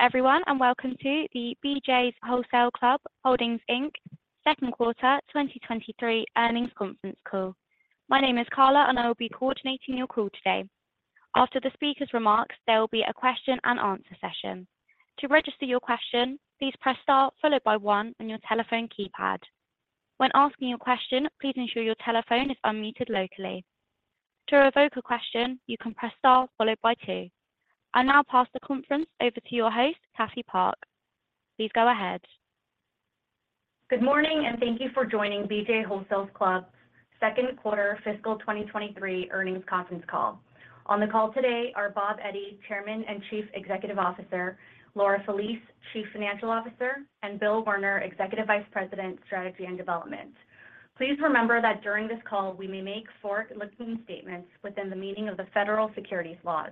Hello, everyone, and welcome to the BJ's Wholesale Club Holdings, Inc., second quarter 2023 Earnings Conference Call. My name is Carla, and I will be coordinating your call today. After the speaker's remarks, there will be a question and answer session. To register your question, please press star followed by one on your telephone keypad. When asking your question, please ensure your telephone is unmuted locally. To revoke a question, you can press Star followed by Two. I now pass the conference over to your host, Cathy Park. Please go ahead. Good morning, and thank you for joining BJ's Wholesale Club's second quarter fiscal 2023 Earnings Conference Call. On the call today are Bob Eddy, Chairman and Chief Executive Officer, Laura Felice, Chief Financial Officer, and Bill Werner, Executive Vice President, Strategy and Development. Please remember that during this call, we may make forward-looking statements within the meaning of the federal securities laws.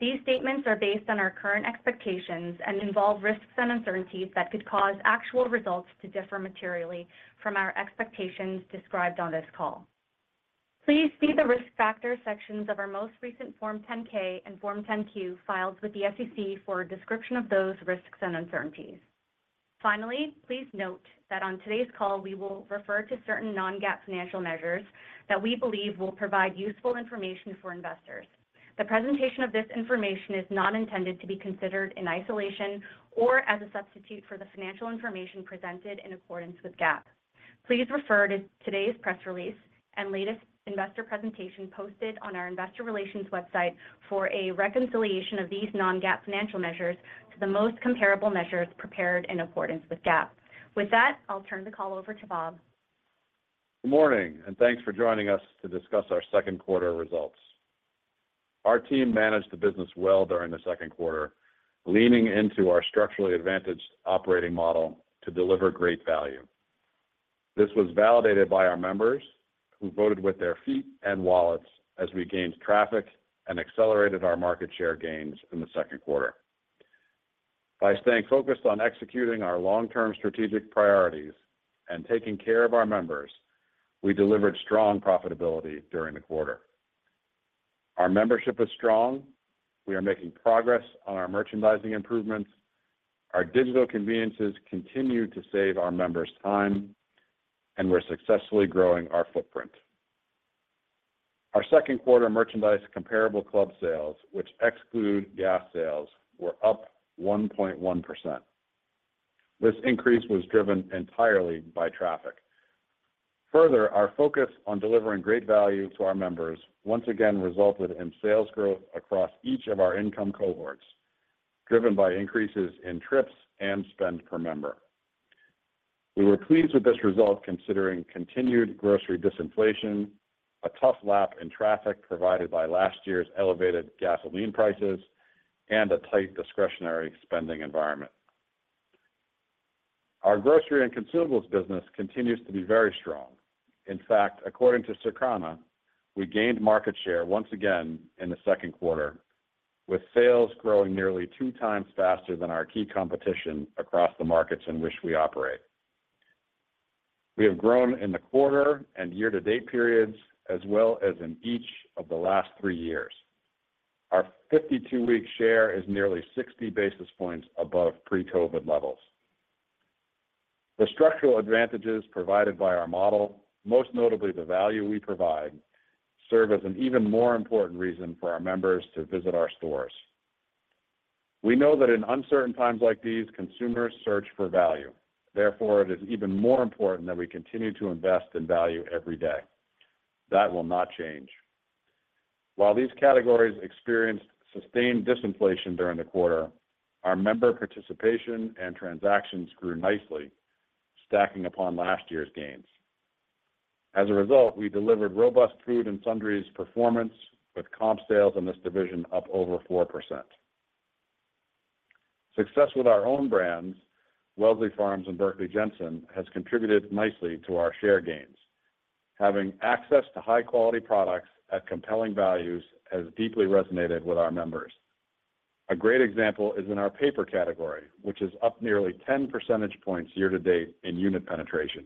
These statements are based on our current expectations and involve risks and uncertainties that could cause actual results to differ materially from our expectations described on this call. Please see the Risk Factors sections of our most recent Form 10-K and Form 10-Q filed with the SEC for a description of those risks and uncertainties. Finally, please note that on today's call, we will refer to certain non-GAAP financial measures that we believe will provide useful information for investors. The presentation of this information is not intended to be considered in isolation or as a substitute for the financial information presented in accordance with GAAP. Please refer to today's press release and latest investor presentation posted on our investor relations website for a reconciliation of these non-GAAP financial measures to the most comparable measures prepared in accordance with GAAP. With that, I'll turn the call over to Bob. Good morning, and thanks for joining us to discuss our second quarter results. Our team managed the business well during the second quarter, leaning into our structurally advantaged operating model to deliver great value. This was validated by our members who voted with their feet and wallets as we gained traffic and accelerated our market share gains in the second quarter. By staying focused on executing our long-term strategic priorities and taking care of our members, we delivered strong profitability during the quarter. Our membership is strong, we are making progress on our merchandising improvements, our digital conveniences continue to save our members time, and we're successfully growing our footprint. Our second quarter merchandise comparable club sales, which exclude gas sales, were up 1.1%. This increase was driven entirely by traffic. Further, our focus on delivering great value to our members once again resulted in sales growth across each of our income cohorts, driven by increases in trips and spend per member. We were pleased with this result, considering continued grocery disinflation, a tough lap in traffic provided by last year's elevated gasoline prices, and a tight discretionary spending environment. Our grocery and consumables business continues to be very strong. In fact, according to Circana, we gained market share once again in the second quarter, with sales growing nearly 2 times faster than our key competition across the markets in which we operate. We have grown in the quarter and year-to-date periods, as well as in each of the last 3 years. Our 52-week share is nearly 60 basis points above pre-COVID levels. The structural advantages provided by our model, most notably the value we provide, serve as an even more important reason for our members to visit our stores. We know that in uncertain times like these, consumers search for value. Therefore, it is even more important that we continue to invest in value every day. That will not change. While these categories experienced sustained disinflation during the quarter, our member participation and transactions grew nicely, stacking upon last year's gains. As a result, we delivered robust food and sundries performance, with comparable sales in this division up over 4%. Success with our own brands, Wellesley Farms and Berkley Jensen, has contributed nicely to our share gains. Having access to high-quality products at compelling values has deeply resonated with our members. A great example is in our paper category, which is up nearly 10 percentage points year to date in unit penetration.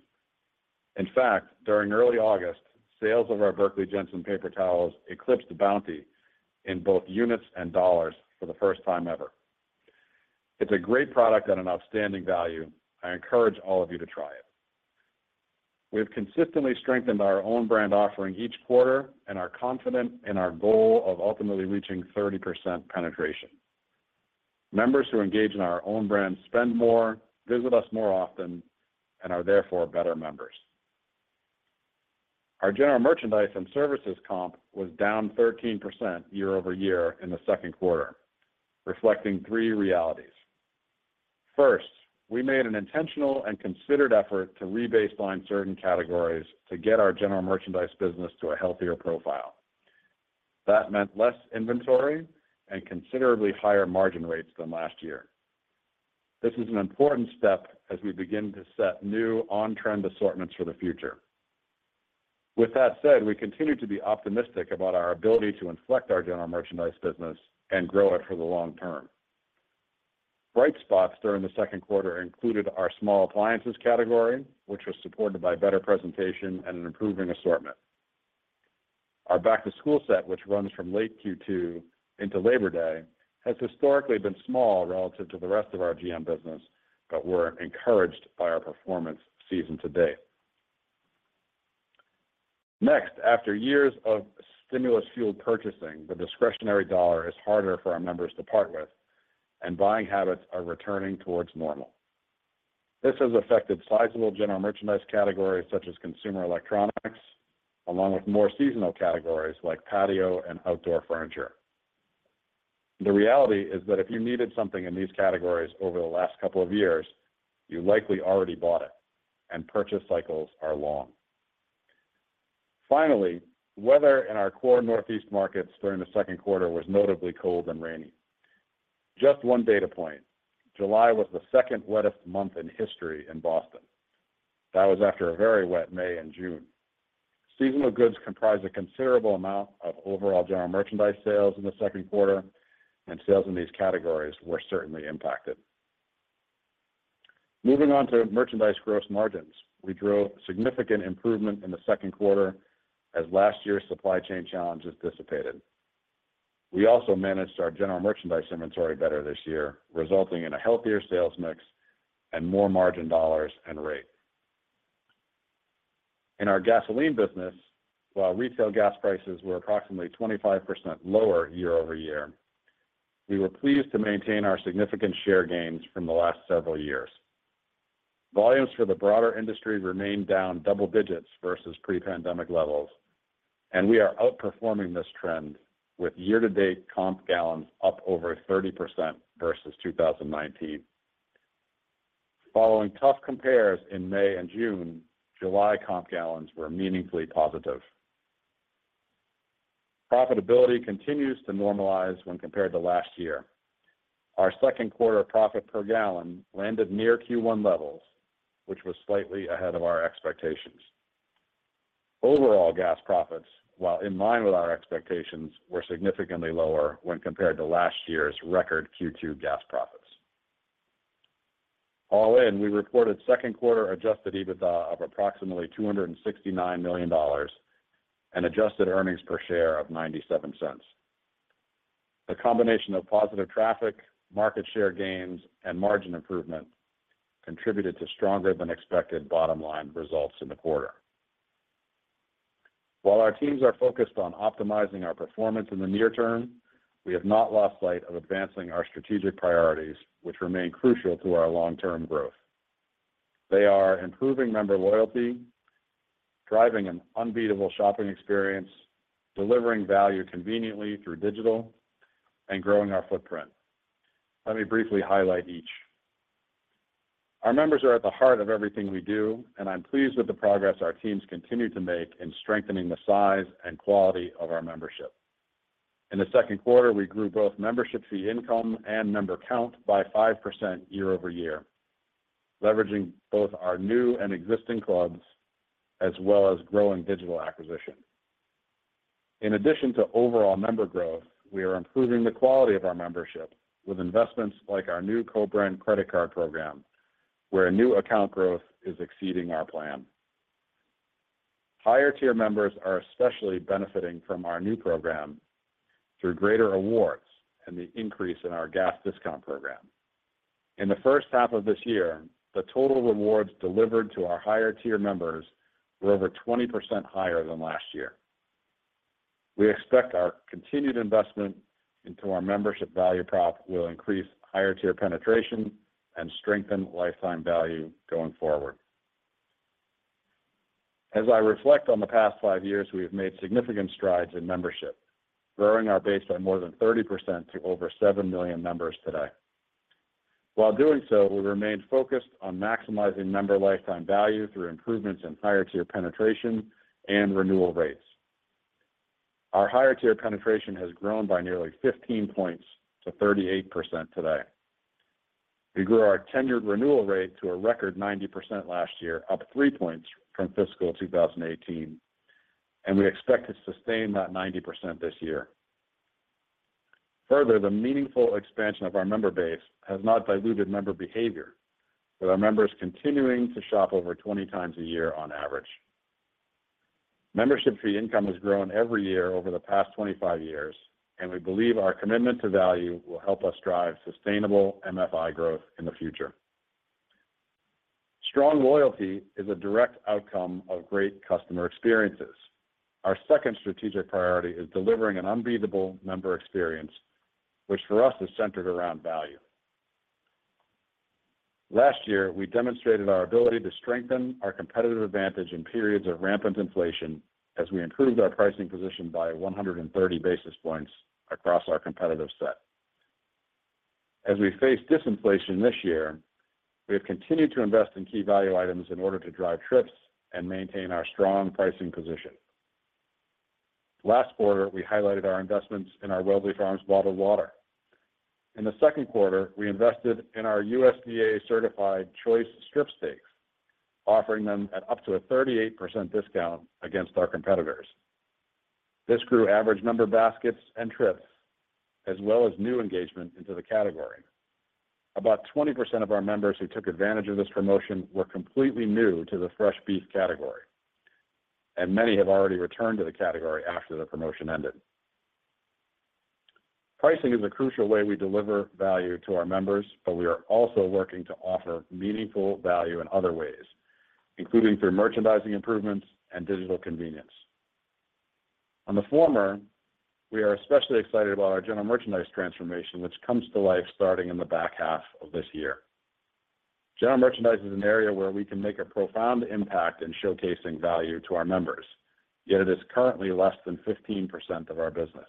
In fact, during early August, sales of our Berkley Jensen paper towels eclipsed the Bounty in both units and dollars for the first time ever. It's a great product at an outstanding value. I encourage all of you to try it. We have consistently strengthened our own brand offering each quarter and are confident in our goal of ultimately reaching 30% penetration. Members who engage in our own brand spend more, visit us more often, and are therefore better members. Our general merchandise and services comp was down 13% year-over-year in the second quarter, reflecting three realities. First, we made an intentional and considered effort to rebaseline certain categories to get our general merchandise business to a healthier profile. That meant less inventory and considerably higher margin rates than last year. This is an important step as we begin to set new on-trend assortments for the future. With that said, we continue to be optimistic about our ability to inflect our general merchandise business and grow it for the long term. Bright spots during the second quarter included our small appliances category, which was supported by better presentation and an improving assortment. Our back-to-school set, which runs from late Q2 into Labor Day, has historically been small relative to the rest of our GM business, but we're encouraged by our performance season to date. Next, after years of stimulus-fueled purchasing, the discretionary dollar is harder for our members to part with, and buying habits are returning towards normal. This has affected sizable general merchandise categories, such as consumer electronics, along with more seasonal categories like patio and outdoor furniture. The reality is that if you needed something in these categories over the last couple of years, you likely already bought it, and purchase cycles are long. Finally, weather in our core Northeast markets during the second quarter was notably cold and rainy. Just one data point, July was the second wettest month in history in Boston. That was after a very wet May and June. Seasonal goods comprised a considerable amount of overall general merchandise sales in the second quarter, and sales in these categories were certainly impacted. Moving on to merchandise gross margins. We drove significant improvement in the second quarter as last year's supply chain challenges dissipated. We also managed our general merchandise inventory better this year, resulting in a healthier sales mix and more margin dollars and rate. In our gasoline business, while retail gas prices were approximately 25% lower year-over-year, we were pleased to maintain our significant share gains from the last several years. Volumes for the broader industry remained down double digits versus pre-pandemic levels, we are outperforming this trend with year-to-date comp gallons up over 30% versus 2019. Following tough compares in May and June, July comp gallons were meaningfully positive. Profitability continues to normalize when compared to last year. Our second quarter profit per gallon landed near Q1 levels, which was slightly ahead of our expectations. Overall gas profits, while in line with our expectations, were significantly lower when compared to last year's record Q2 gas profits. All in, we reported second quarter Adjusted EBITDA of approximately $269 million and Adjusted earnings per share of $0.97. A combination of positive traffic, market share gains, and margin improvement contributed to stronger than expected bottom line results in the quarter. While our teams are focused on optimizing our performance in the near term, we have not lost sight of advancing our strategic priorities, which remain crucial to our long-term growth. They are improving member loyalty, driving an unbeatable shopping experience, delivering value conveniently through digital, and growing our footprint. Let me briefly highlight each. Our members are at the heart of everything we do, and I'm pleased with the progress our teams continue to make in strengthening the size and quality of our membership. In the second quarter, we grew both membership fee income and member count by 5% year-over-year, leveraging both our new and existing clubs, as well as growing digital acquisition. In addition to overall member growth, we are improving the quality of our membership with investments like our new BJ's One Mastercard program, where new account growth is exceeding our plan. Higher-tier members are especially benefiting from our new program through greater awards and the increase in our gas discount program. In the first half of this year, the total rewards delivered to our higher-tier members were over 20% higher than last year. We expect our continued investment into our membership value prop will increase higher-tier penetration and strengthen lifetime value going forward. As I reflect on the past 5 years, we have made significant strides in membership, growing our base by more than 30% to over 7 million members today. While doing so, we remained focused on maximizing member lifetime value through improvements in higher-tier penetration and renewal rates. Our higher-tier penetration has grown by nearly 15 points to 38% today. We grew our tenured renewal rate to a record 90% last year, up 3 points from fiscal 2018. We expect to sustain that 90% this year. Further, the meaningful expansion of our member base has not diluted member behavior, with our members continuing to shop over 20 times a year on average. Membership fee income has grown every year over the past 25 years. We believe our commitment to value will help us drive sustainable MFI growth in the future. Strong loyalty is a direct outcome of great customer experiences. Our second strategic priority is delivering an unbeatable member experience, which for us is centered around value. Last year, we demonstrated our ability to strengthen our competitive advantage in periods of rampant inflation as we improved our pricing position by 130 basis points across our competitive set. As we face disinflation this year, we have continued to invest in key value items in order to drive trips and maintain our strong pricing position. Last quarter, we highlighted our investments in our Wellesley Farms bottled water. In the second quarter, we invested in our USDA-certified Choice strip steaks, offering them at up to a 38% discount against our competitors. This grew average number of baskets and trips, as well as new engagement into the category. About 20% of our members who took advantage of this promotion were completely new to the fresh beef category, and many have already returned to the category after the promotion ended. Pricing is a crucial way we deliver value to our members, but we are also working to offer meaningful value in other ways, including through merchandising improvements and digital convenience. On the former, we are especially excited about our general merchandise transformation, which comes to life starting in the back half of this year. General merchandise is an area where we can make a profound impact in showcasing value to our members, yet it is currently less than 15% of our business.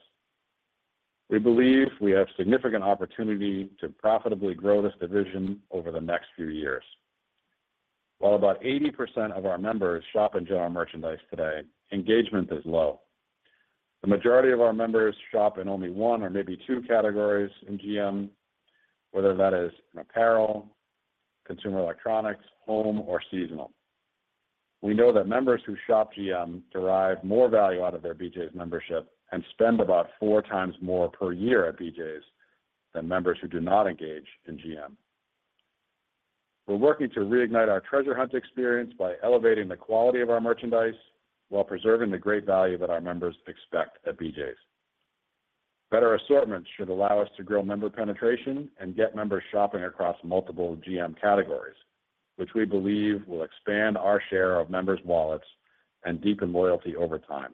We believe we have significant opportunity to profitably grow this division over the next few years. While about 80% of our members shop in general merchandise today, engagement is low. The majority of our members shop in only one or maybe two categories in GM, whether that is in apparel, consumer electronics, home, or seasonal. We know that members who shop GM derive more value out of their BJ's membership and spend about 4 times more per year at BJ's than members who do not engage in GM. We're working to reignite our treasure hunt experience by elevating the quality of our merchandise while preserving the great value that our members expect at BJ's. Better assortments should allow us to grow member penetration and get members shopping across multiple GM categories, which we believe will expand our share of members' wallets and deepen loyalty over time.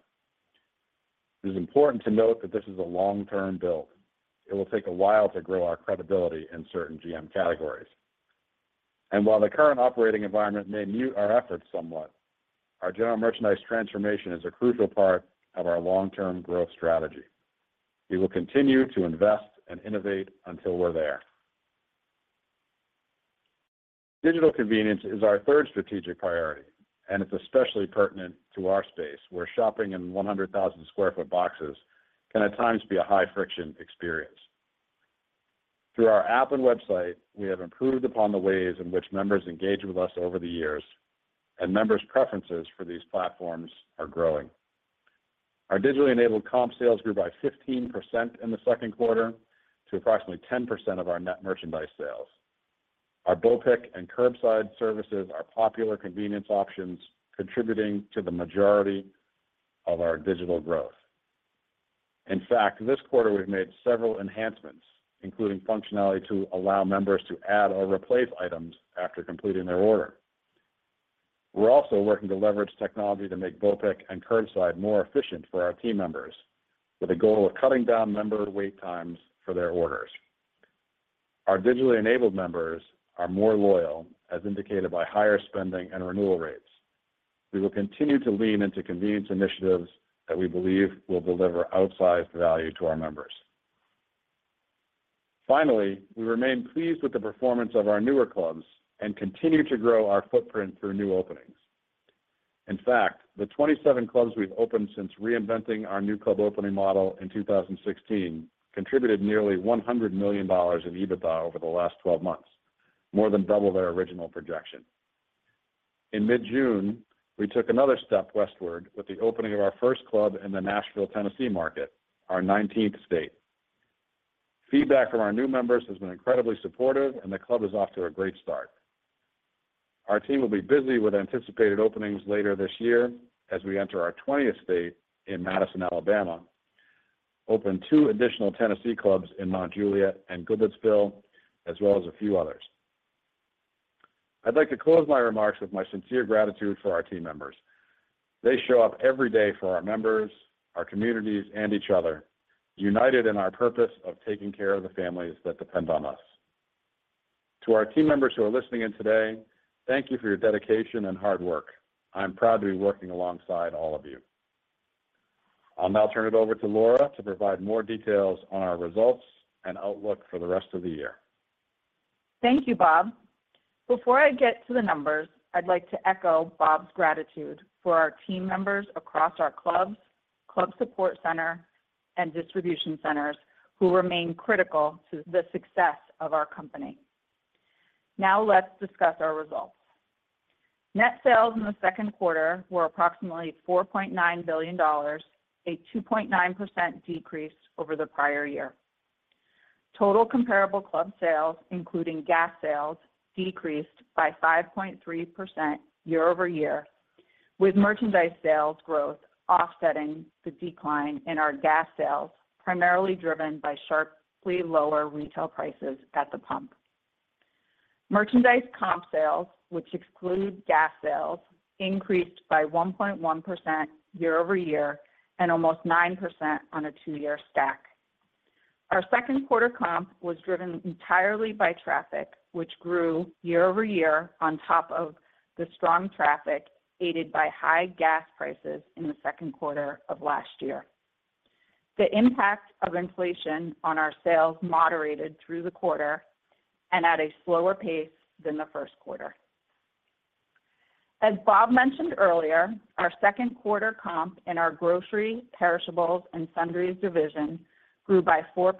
It is important to note that this is a long-term build. It will take a while to grow our credibility in certain GM categories. While the current operating environment may mute our efforts somewhat, our general merchandise transformation is a crucial part of our long-term growth strategy. We will continue to invest and innovate until we're there. Digital convenience is our third strategic priority, and it's especially pertinent to our space, where shopping in 100,000 sq ft boxes can at times be a high-friction experience. Through our app and website, we have improved upon the ways in which members engage with us over the years, and members' preferences for these platforms are growing. Our digitally-enabled comparable sales grew by 15% in the second quarter to approximately 10% of our net merchandise sales. Our BOPIC and curbside services are popular convenience options, contributing to the majority of our digital growth. In fact, this quarter, we've made several enhancements, including functionality to allow members to add or replace items after completing their order. We're also working to leverage technology to make BOPIC and curbside more efficient for our team members, with a goal of cutting down member wait times for their orders. Our digitally-enabled members are more loyal, as indicated by higher spending and renewal rates. We will continue to lean into convenience initiatives that we believe will deliver outsized value to our members. Finally, we remain pleased with the performance of our newer clubs and continue to grow our footprint through new openings. In fact, the 27 clubs we've opened since reinventing our new club opening model in 2016 contributed nearly $100 million in EBITDA over the last 12 months, more than double their original projection. In mid-June, we took another step westward with the opening of our first club in the Nashville, Tennessee market, our 19th state. Feedback from our new members has been incredibly supportive, and the club is off to a great start. Our team will be busy with anticipated openings later this year as we enter our 20th state in Madison, Alabama, open two additional Tennessee clubs in Mount Juliet and Goodlettsville, as well as a few others. I'd like to close my remarks with my sincere gratitude for our team members. They show up every day for our members, our communities, and each other, united in our purpose of taking care of the families that depend on us. To our team members who are listening in today, thank you for your dedication and hard work. I'm proud to be working alongside all of you. I'll now turn it over to Laura to provide more details on our results and outlook for the rest of the year. Thank you, Bob. Before I get to the numbers, I'd like to echo Bob's gratitude for our team members across our clubs, Club Support Center, and distribution centers who remain critical to the success of our company. Now, let's discuss our results. Net sales in the second quarter were approximately $4.9 billion, a 2.9% decrease over the prior year. Total comparable club sales, including gas sales, decreased by 5.3% year-over-year, with merchandise sales growth offsetting the decline in our gas sales, primarily driven by sharply lower retail prices at the pump. Merchandise comparable sales, which exclude gas sales, increased by 1.1% year-over-year and almost 9% on a 2-year stack. Our second quarter comp was driven entirely by traffic, which grew year-over-year on top of the strong traffic aided by high gas prices in the second quarter of last year. The impact of inflation on our sales moderated through the quarter and at a slower pace than the first quarter. As Bob mentioned earlier, our second quarter comp in our grocery, perishables, and sundries division grew by 4%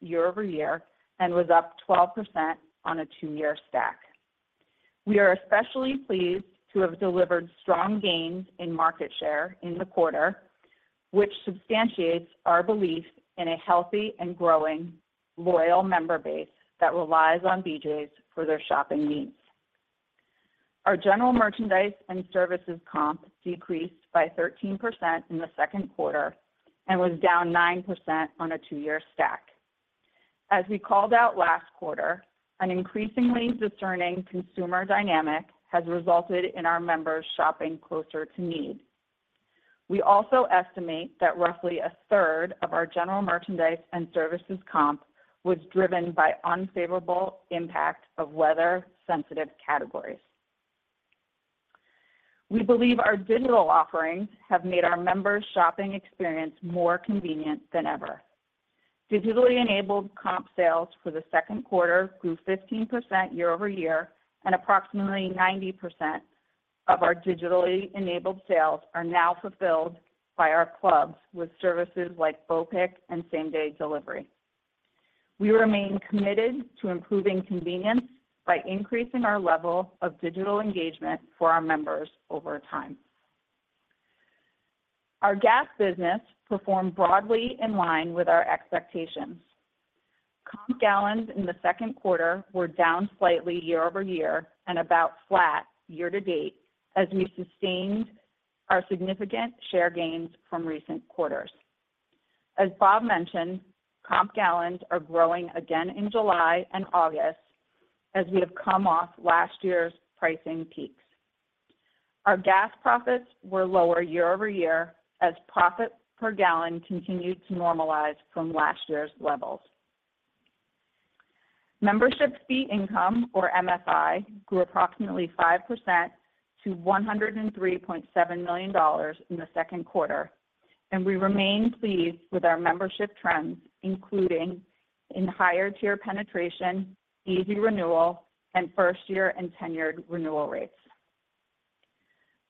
year-over-year and was up 12% on a two-year stack. We are especially pleased to have delivered strong gains in market share in the quarter, which substantiates our belief in a healthy and growing loyal member base that relies on BJ's for their shopping needs. Our general merchandise and services comp decreased by 13% in the second quarter and was down 9% on a two-year stack. As we called out last quarter, an increasingly discerning consumer dynamic has resulted in our members shopping closer to need. We also estimate that roughly a third of our general merchandise and services comp was driven by unfavorable impact of weather-sensitive categories. We believe our digital offerings have made our members' shopping experience more convenient than ever. Digitally-enabled comparable sales for the second quarter grew 15% year-over-year, and approximately 90% of our digitally-enabled sales are now fulfilled by our clubs with services like BOPIC and same-day delivery. We remain committed to improving convenience by increasing our level of digital engagement for our members over time. Our gas business performed broadly in line with our expectations. Comp gallons in the second quarter were down slightly year-over-year and about flat year-to-date as we sustained our significant share gains from recent quarters. As Bob mentioned, comp gallons are growing again in July and August as we have come off last year's pricing peaks. Our gas profits were lower year-over-year as profits per gallon continued to normalize from last year's levels. Membership fee income, or MFI, grew approximately 5% to $103.7 million in the second quarter. We remain pleased with our membership trends, including in higher tier penetration, Easy Renewal, and first year and tenured renewal rates.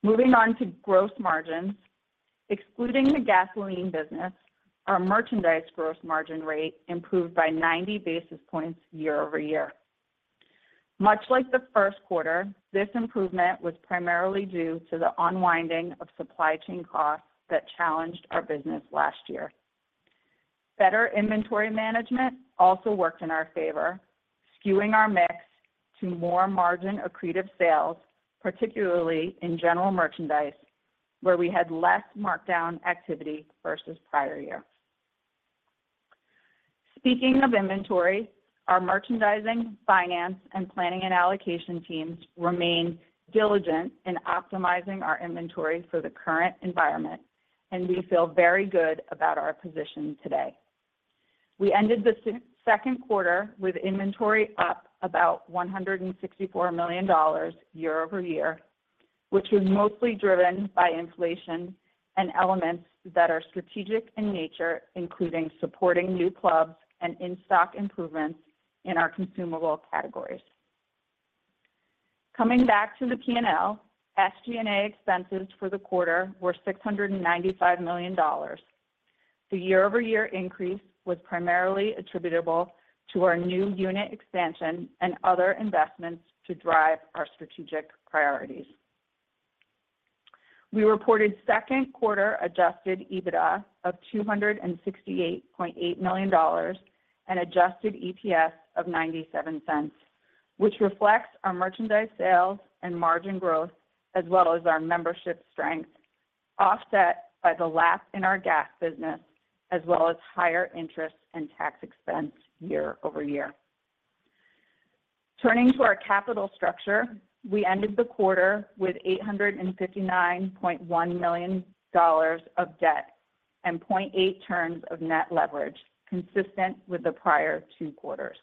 Moving on to gross margins. Excluding the gasoline business, our merchandise gross margin rate improved by 90 basis points year-over-year. Much like the first quarter, this improvement was primarily due to the unwinding of supply chain costs that challenged our business last year. Better inventory management also worked in our favor, skewing our mix to more merchandise margin accretive sales, particularly in general merchandise, where we had less markdown activity versus prior year. Speaking of inventory, our merchandising, finance, and planning and allocation teams remain diligent in optimizing our inventory for the current environment, and we feel very good about our position today. We ended the second quarter with inventory up about $164 million year-over-year, which was mostly driven by inflation and elements that are strategic in nature, including supporting new clubs and in-stock improvements in our consumable categories. Coming back to the P&L, SG&A expenses for the quarter were $695 million. The year-over-year increase was primarily attributable to our new unit expansion and other investments to drive our strategic priorities. We reported second quarter Adjusted EBITDA of $268.8 million and Adjusted EPS of $0.97, which reflects our merchandise sales and margin growth, as well as our membership strength, offset by the lapse in our gas business, as well as higher interest and tax expense year-over-year. Turning to our capital structure, we ended the quarter with $859.1 million of debt and 0.8 turns of net leverage, consistent with the prior 2 quarters.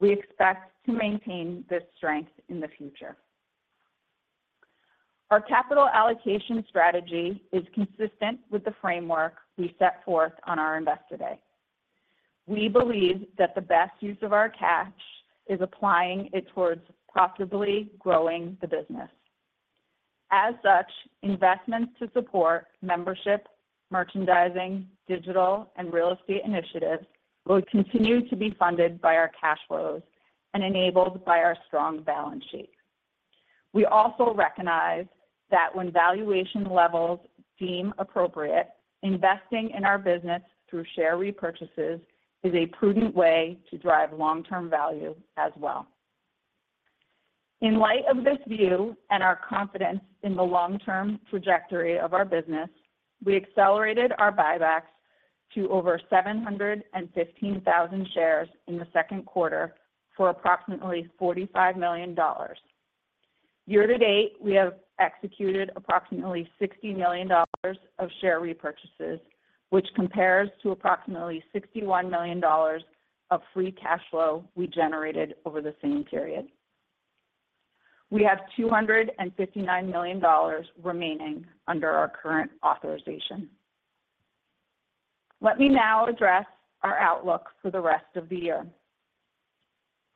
We expect to maintain this strength in the future. Our capital allocation strategy is consistent with the framework we set forth on our Investor Day. We believe that the best use of our cash is applying it towards profitably growing the business. As such, investments to support membership, merchandising, digital, and real estate initiatives will continue to be funded by our cash flows and enabled by our strong balance sheet. We also recognize that when valuation levels deem appropriate, investing in our business through share repurchases is a prudent way to drive long-term value as well. In light of this view and our confidence in the long-term trajectory of our business, we accelerated our buybacks to over 715,000 shares in the second quarter for approximately $45 million. Year to date, we have executed approximately $60 million of share repurchases, which compares to approximately $61 million of free cash flow we generated over the same period. We have $259 million remaining under our current authorization. Let me now address our outlook for the rest of the year.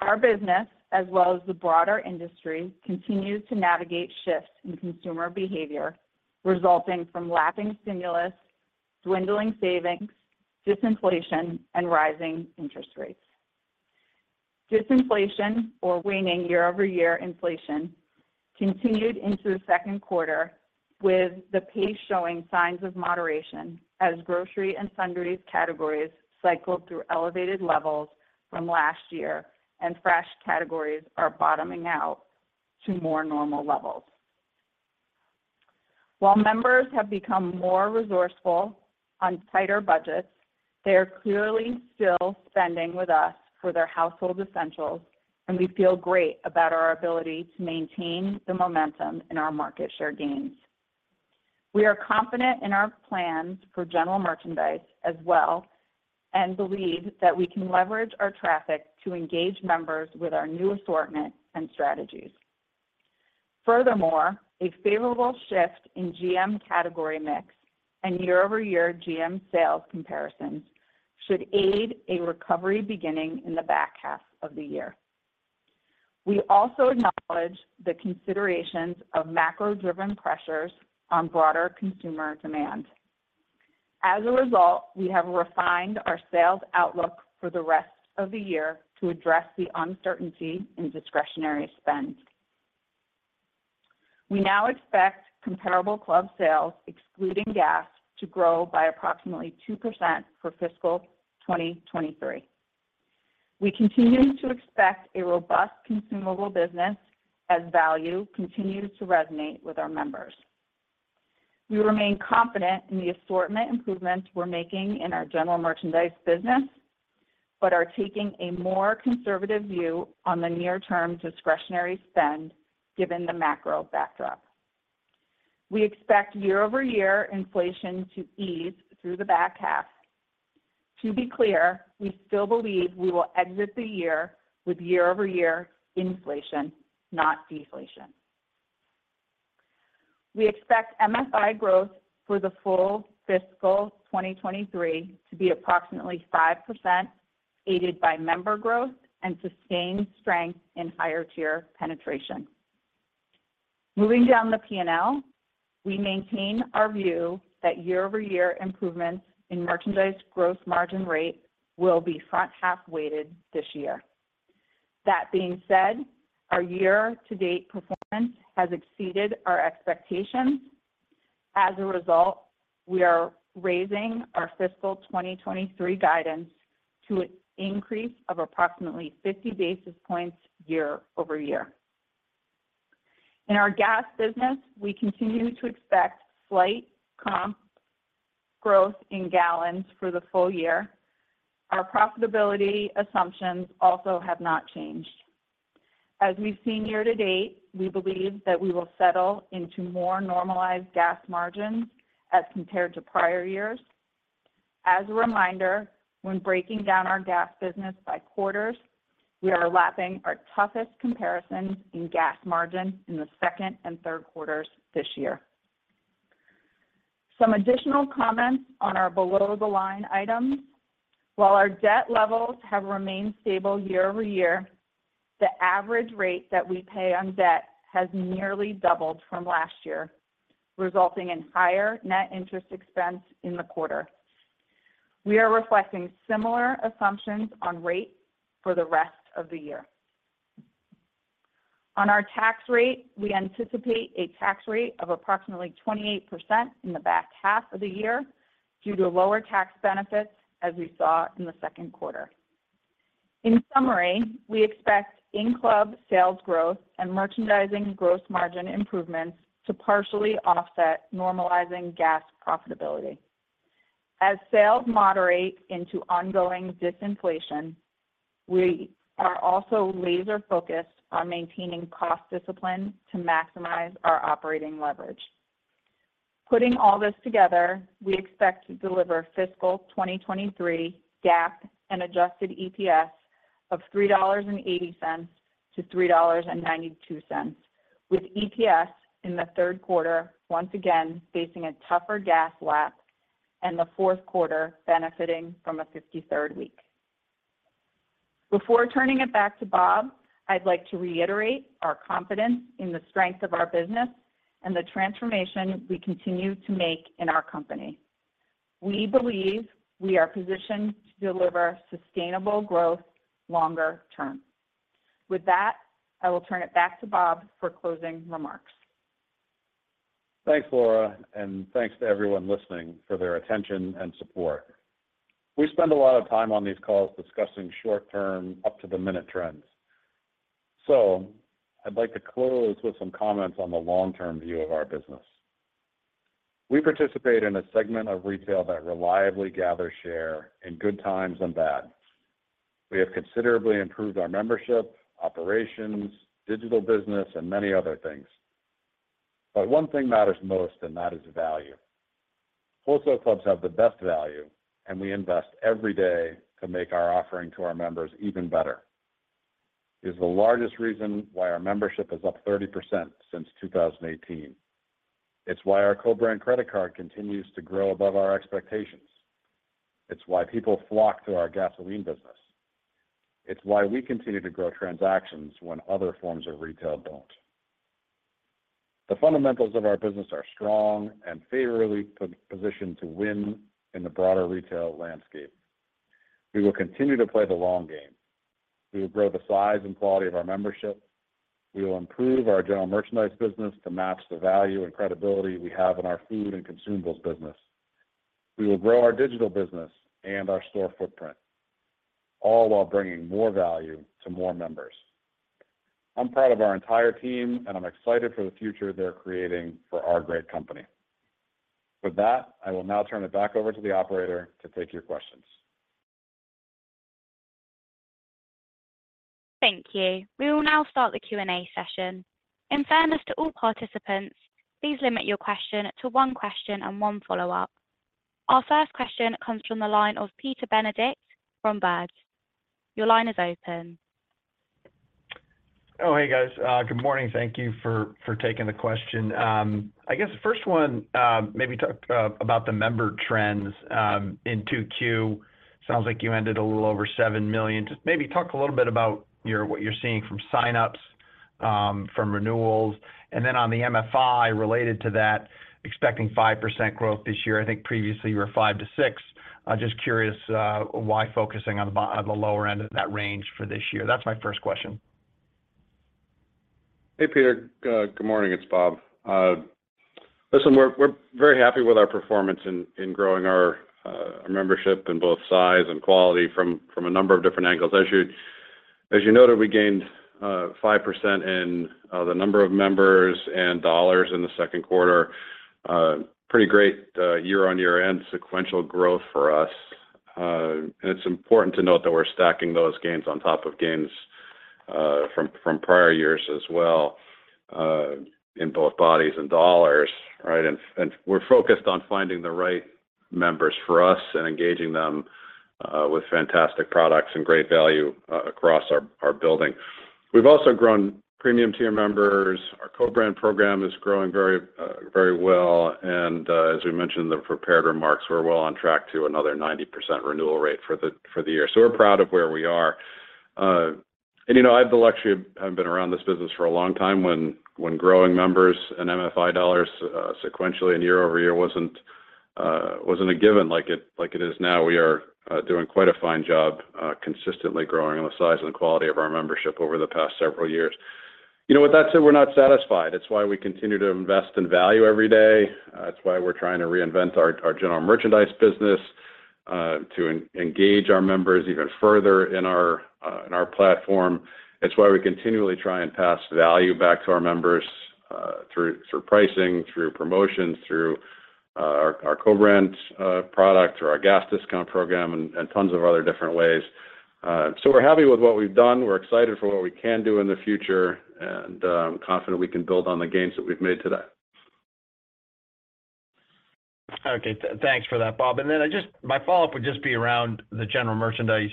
Our business, as well as the broader industry, continues to navigate shifts in consumer behavior, resulting from lapping stimulus, dwindling savings, disinflation, and rising interest rates. Disinflation or waning year-over-year inflation continued into the second quarter, with the pace showing signs of moderation as grocery and sundries categories cycled through elevated levels from last year, and fresh categories are bottoming out to more normal levels. While members have become more resourceful on tighter budgets, they are clearly still spending with us for their household essentials, and we feel great about our ability to maintain the momentum in our market share gains. We are confident in our plans for general merchandise as well, and believe that we can leverage our traffic to engage members with our new assortment and strategies. Furthermore, a favorable shift in GM category mix and year-over-year GM sales comparisons should aid a recovery beginning in the back half of the year. We also acknowledge the considerations of macro-driven pressures on broader consumer demand. As a result, we have refined our sales outlook for the rest of the year to address the uncertainty in discretionary spend. We now expect comparable club sales, excluding gas, to grow by approximately 2% for fiscal 2023. We continue to expect a robust consumable business as value continues to resonate with our members. We remain confident in the assortment improvements we're making in our general merchandise business, but are taking a more conservative view on the near-term discretionary spend given the macro backdrop. We expect year-over-year inflation to ease through the back half. To be clear, we still believe we will exit the year with year-over-year inflation, not deflation. We expect MFI growth for the full fiscal 2023 to be approximately 5%, aided by member growth and sustained strength in higher tier penetration. Moving down the P&L, we maintain our view that year-over-year improvements in merchandise gross margin rate will be front half weighted this year. That being said, our year-to-date performance has exceeded our expectations. As a result, we are raising our fiscal 2023 guidance to an increase of approximately 50 basis points year-over-year. In our gas business, we continue to expect slight comp growth in gallons for the full year. Our profitability assumptions also have not changed. As we've seen year-to-date, we believe that we will settle into more normalized gas margins as compared to prior years. As a reminder, when breaking down our gas business by quarters, we are lapping our toughest comparisons in gas margin in the second and third quarters this year. Some additional comments on our below-the-line items. While our debt levels have remained stable year-over-year, the average rate that we pay on debt has nearly doubled from last year, resulting in higher net interest expense in the quarter. We are reflecting similar assumptions on rate for the rest of the year. On our tax rate, we anticipate a tax rate of approximately 28% in the back half of the year due to lower tax benefits, as we saw in the second quarter. In summary, we expect in-club sales growth and merchandise gross margin improvements to partially offset normalizing gas profitability. As sales moderate into ongoing disinflation, we are also laser focused on maintaining cost discipline to maximize our operating leverage. Putting all this together, we expect to deliver fiscal 2023 GAAP and Adjusted EPS of $3.80-$3.92, with EPS in the third quarter once again facing a tougher gas lap and the fourth quarter benefiting from a 53rd week. Before turning it back to Bob, I'd like to reiterate our confidence in the strength of our business and the transformation we continue to make in our company. We believe we are positioned to deliver sustainable growth longer term. With that, I will turn it back to Bob for closing remarks. Thanks, Laura, Thanks to everyone listening for their attention and support. We spend a lot of time on these calls discussing short-term, up-to-the-minute trends. I'd like to close with some comments on the long-term view of our business. We participate in a segment of retail that reliably gathers share in good times and bad. We have considerably improved our membership, operations, digital business, and many other things. One thing matters most, and that is value. Wholesale clubs have the best value, and we invest every day to make our offering to our members even better. It's the largest reason why our membership is up 30% since 2018. It's why our BJ's One Mastercard continues to grow above our expectations. It's why people flock to our gasoline business. It's why we continue to grow transactions when other forms of retail don't. The fundamentals of our business are strong and favorably positioned to win in the broader retail landscape. We will continue to play the long game. We will grow the size and quality of our membership. We will improve our general merchandise business to match the value and credibility we have in our food and consumables business. We will grow our digital business and our store footprint, all while bringing more value to more members. I'm proud of our entire team, and I'm excited for the future they're creating for our great company. With that, I will now turn it back over to the operator to take your questions. Thank you. We will now start the Q&A session. In fairness to all participants, please limit your question to one question and one follow-up. Our first question comes from the line of Peter Benedict from Baird. Your line is open. Oh, hey, guys. Good morning. Thank you for, for taking the question. I guess the first one, maybe talk about the member trends in 2Q. Sounds like you ended a little over 7 million. Just maybe talk a little bit about what you're seeing from signups, from renewals, and then on the MFI related to that, expecting 5% growth this year. I think previously you were 5%-6%. Just curious, why focusing on the lower end of that range for this year? That's my first question. Hey, Peter, good morning. It's Bob. Listen, we're, we're very happy with our performance in, in growing our, our membership in both size and quality from, from a number of different angles. As you, as you noted, we gained 5% in the number of members and dollars in the second quarter. Pretty great year-on-year and sequential growth for us. And it's important to note that we're stacking those gains on top of gains from, from prior years as well, in both bodies and dollars, right? And we're focused on finding the right members for us and engaging them with fantastic products and great value across our, our building. We've also grown premium tier members. Our co-brand program is growing very, very well. As we mentioned in the prepared remarks, we're well on track to another 90% renewal rate for the year. We're proud of where we are. You know, I have the luxury of having been around this business for a long time when growing members and MFI dollars sequentially and year-over-year wasn't a given like it, like it is now. We are doing quite a fine job consistently growing the size and quality of our membership over the past several years. You know, with that said, we're not satisfied. It's why we continue to invest in value every day. That's why we're trying to reinvent our general merchandise business to engage our members even further in our platform. It's why we continually try and pass value back to our members, through, through pricing, through promotions, through, our, our co-brand product, or our gas discount program, and, and tons of other different ways. We're happy with what we've done. We're excited for what we can do in the future. I'm confident we can build on the gains that we've made to date. Okay. Thanks for that, Bob. My follow-up would just be around the general merchandise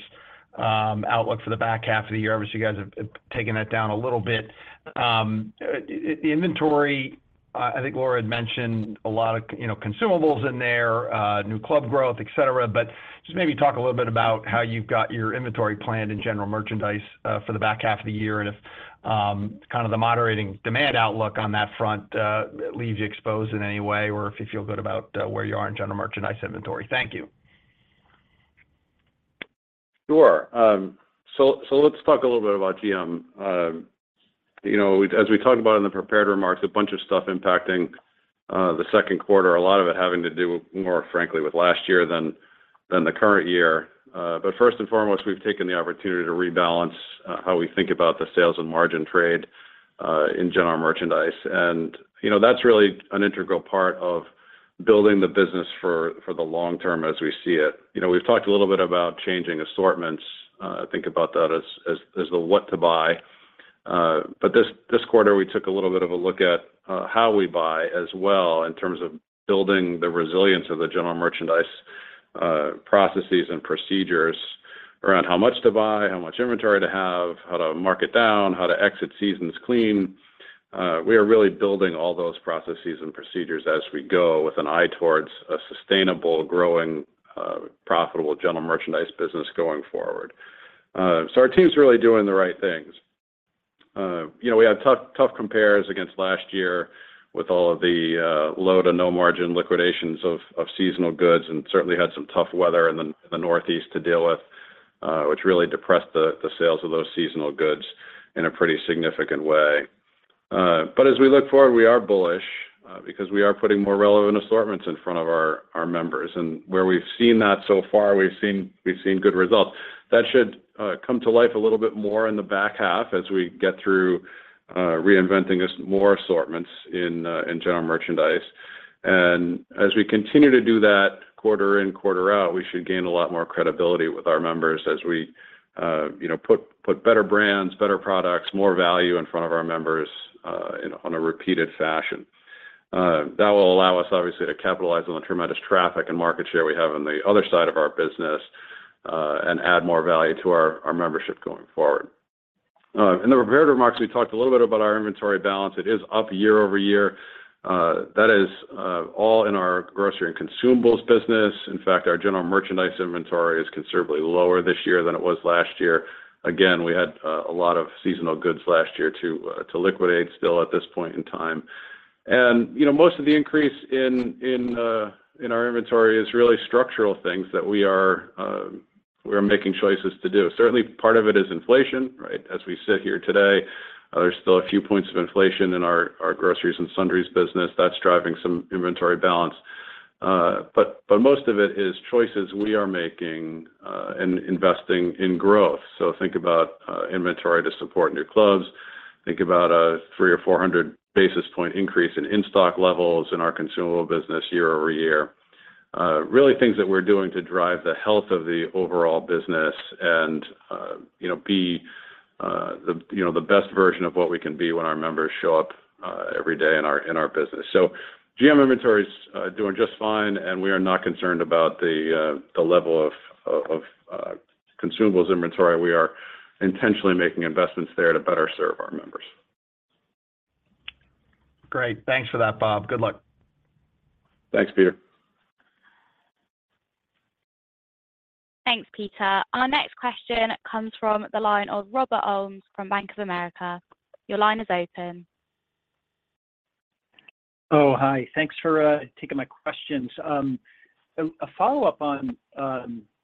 outlook for the back half of the year. Obviously, you guys have, have taken that down a little bit. The inventory, I think Laura had mentioned a lot of you know, consumables in there, new club growth, et cetera, but just maybe talk a little bit about how you've got your inventory planned in general merchandise for the back half of the year and if kind of the moderating demand outlook on that front leaves you exposed in any way or if you feel good about where you are in general merchandise inventory. Thank you. Sure. Let's talk a little bit about GM. You know, as we talked about in the prepared remarks, a bunch of stuff impacting the second quarter, a lot of it having to do more frankly with last year than the current year. First and foremost, we've taken the opportunity to rebalance how we think about the sales and margin trade in general merchandise. You know, that's really an integral part of building the business for, for the long term as we see it. You know, we've talked a little bit about changing assortments, think about that as, as, as the what to buy. This, this quarter, we took a little bit of a look at how we buy as well in terms of building the resilience of the general merchandise processes and procedures around how much to buy, how much inventory to have, how to mark it down, how to exit seasons clean. We are really building all those processes and procedures as we go with an eye towards a sustainable, growing, profitable general merchandise business going forward. Our team's really doing the right things. You know, we had tough, tough compares against last year with all of the low to no margin liquidations of seasonal goods, and certainly had some tough weather in the Northeast to deal with, which really depressed the sales of those seasonal goods in a pretty significant way. As we look forward, we are bullish because we are putting more relevant assortments in front of our, our members. Where we've seen that so far, we've seen, we've seen good results. That should come to life a little bit more in the back half as we get through reinventing us more assortments in general merchandise. As we continue to do that quarter in, quarter out, we should gain a lot more credibility with our members as we, you know, put, put better brands, better products, more value in front of our members in on a repeated fashion. That will allow us, obviously, to capitalize on the tremendous traffic and market share we have on the other side of our business and add more value to our, our membership going forward. In the prepared remarks, we talked a little bit about our inventory balance. It is up year-over-year. That is all in our grocery and consumables business. In fact, our general merchandise inventory is considerably lower this year than it was last year. Again, we had a lot of seasonal goods last year to liquidate still at this point in time. You know, most of the increase in our inventory is really structural things that we are making choices to do. Certainly, part of it is inflation, right? As we sit here today, there's still a few points of inflation in our groceries and sundries business that's driving some inventory balance. Most of it is choices we are making in investing in growth. Think about inventory to support new clubs. Think about a 300 or 400 basis point increase in in-stock levels in our consumable business year-over-year. Really things that we're doing to drive the health of the overall business and, you know, be, the, you know, the best version of what we can be when our members show up every day in our, in our business. GM inventory is doing just fine, and we are not concerned about the, the level of, of, of, consumables inventory. We are intentionally making investments there to better serve our members. Great. Thanks for that, Bob. Good luck. Thanks, Peter. Thanks, Peter. Our next question comes from the line of Robert Ohmes from Bank of America. Your line is open. Oh, hi. Thanks for taking my questions. A follow-up on,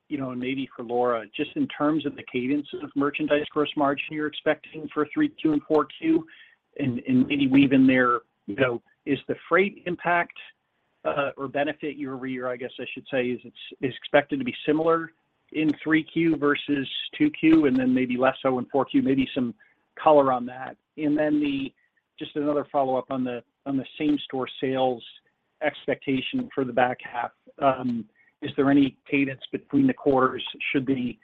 you know, and maybe for Laura, just in terms of the cadence of merchandise gross margin you're expecting for 3Q and 4Q, and maybe weave in there, you know, is the freight impact or benefit year-over-year, I guess I should say, is it's- is expected to be similar in 3Q versus 2Q, and then maybe less so in 4Q? Maybe some color on that. Just another follow-up on the, on the same-store sales expectation for the back half. Is there any cadence between the quarters? Should the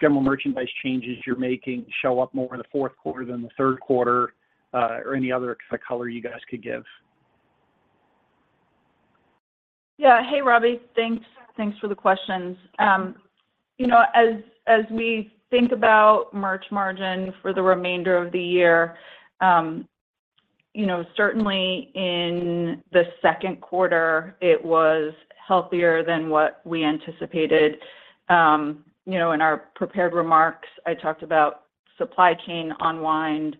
general merchandise changes you're making show up more in the fourth quarter than the third quarter, or any other color you guys could give? Yeah. Hey, Robbie. Thanks. Thanks for the questions. You know, as, as we think about merchandise margin for the remainder of the year, you know, certainly in the 2nd quarter, it was healthier than what we anticipated. You know, in our prepared remarks, I talked about supply chain unwind,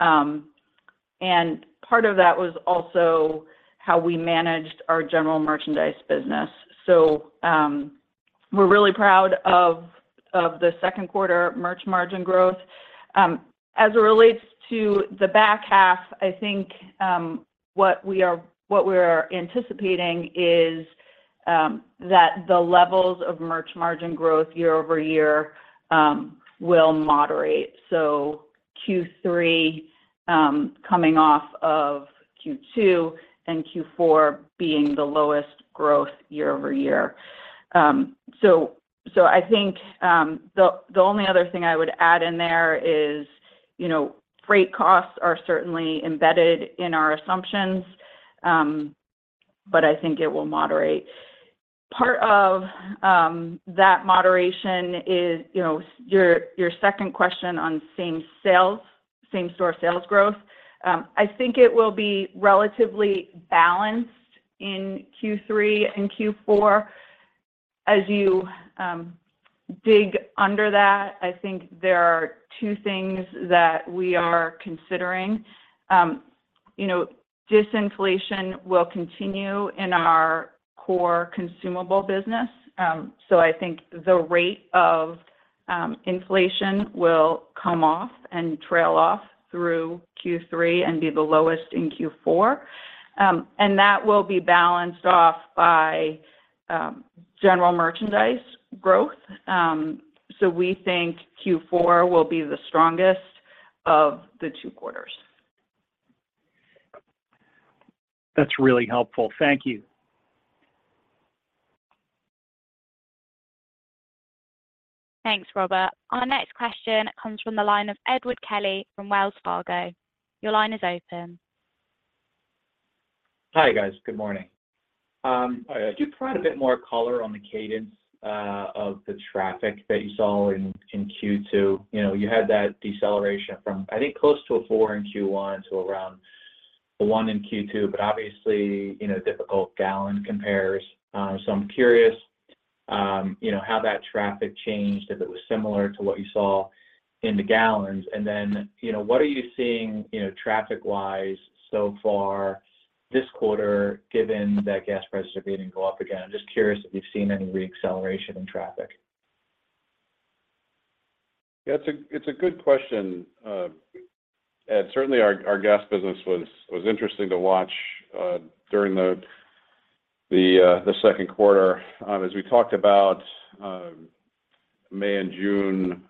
and part of that was also how we managed our general merchandise business. We're really proud of, of the 2nd quarter merchandise margin growth. As it relates to the back half, I think, what we're anticipating is, that the levels of merchandise margin growth year-over-year will moderate. Q3 coming off of Q2 and Q4 being the lowest growth year-over-year. So I think, the, the only other thing I would add in there is, you know, freight costs are certainly embedded in our assumptions, but I think it will moderate. Part of, that moderation is, you know, your, your second question on same sales, same-store sales growth. I think it will be relatively balanced in Q3 and Q4. As you, dig under that, I think there are two things that we are considering. You know, disinflation will continue in our core consumable business, so I think the rate of, inflation will come off and trail off through Q3 and be the lowest in Q4. That will be balanced off by, general merchandise growth. We think Q4 will be the strongest of the two quarters. That's really helpful. Thank you. Thanks, Robert. Our next question comes from the line of Edward Kelly from Wells Fargo. Your line is open. Hi, guys. Good morning. Could you provide a bit more color on the cadence of the traffic that you saw in Q2? You know, you had that deceleration from, I think, close to a 4 in Q1 to around a 1 in Q2, but obviously, you know, difficult gallon compares. So I'm curious, you know, how that traffic changed, if it was similar to what you saw in the gallons. What are you seeing, you know, traffic-wise so far this quarter, given that gas prices are beginning to go up again? I'm just curious if you've seen any re-acceleration in traffic. It's a, it's a good question, Ed. Certainly, our, our gas business was, was interesting to watch during the second quarter. As we talked about, May and June